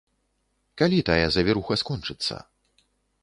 Калі тая завіруха скончыцца?